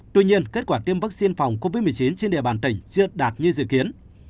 tuy nhiên kết quả tiêm vaccine phòng covid một mươi chín trên địa bàn tỉnh chưa đạt như dựa